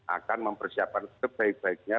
akan mempersiapkan sebaik baiknya